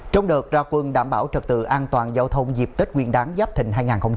trong đợt ra quân đảm bảo trật tự an toàn giao thông dịp tết nguyên đáng giáp thình hai nghìn hai mươi bốn